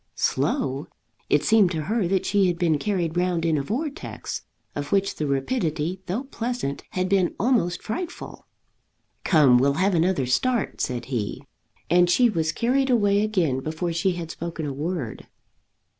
Slow! It seemed to her that she had been carried round in a vortex, of which the rapidity, though pleasant, had been almost frightful. "Come; we'll have another start," said he; and she was carried away again before she had spoken a word.